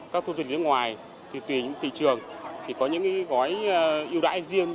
các thông tin nước ngoài thì tùy những thị trường thì có những gói ưu đãi riêng